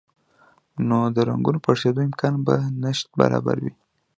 نو د رګونو پړسېدو امکان به د نشت برابر وي